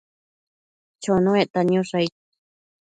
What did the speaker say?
Chonuecta niosh aid ?